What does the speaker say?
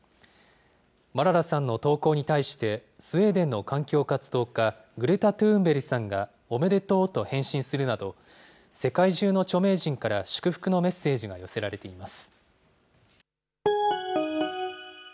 マララさんの投稿に対して、スウェーデンの環境活動家、グレタ・トゥーンベリさんが、おめでとうと返信するなど、世界中の著名人から祝福のメッセージが寄せられています。